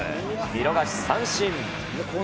見逃し三振。